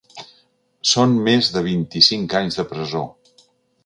Són més de vint-i-cinc anys de presó.